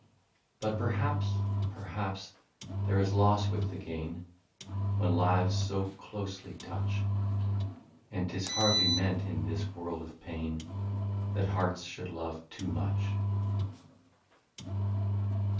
" But perhaps, perhaps, there is loss with the gain. When lives so closely touch ; And 't is hardly meant in this world of pain, That hearts should love overmuch."